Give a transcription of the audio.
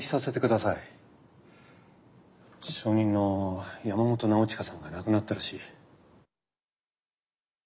証人の山本尚親さんが亡くなったらしい。